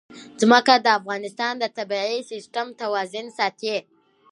ځمکه د افغانستان د طبعي سیسټم توازن ساتي.